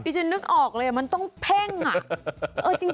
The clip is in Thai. ฉันนึกออกเลยมันต้องเพ่งอ่ะ